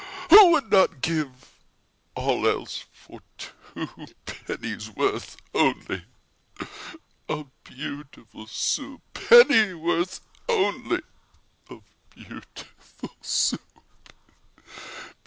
Who would not give all else for two Pennyworth only of Beautiful Soup? Pennyworth only of beautiful Soup?